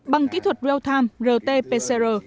bằng kỹ thuật real time rt pcr